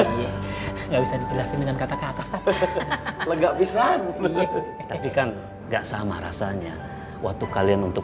lagi nggak bisa dijelasin dengan kata kata lega bisa tapi kan enggak sama rasanya waktu kalian untuk